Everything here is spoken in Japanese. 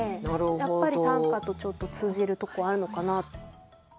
やっぱり短歌とちょっと通じるとこあるのかなと。